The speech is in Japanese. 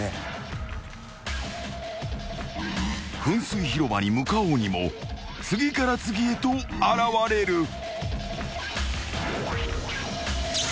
［噴水広場に向かおうにも次から次へと現れる］